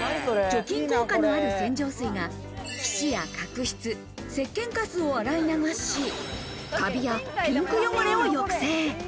除菌効果のある洗浄水が皮脂や角質、石鹸カスを洗い流し、カビやピンク汚れを抑制。